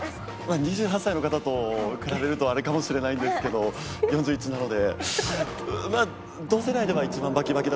２８歳の方と比べるとあれかもしれないんですけど４１なので。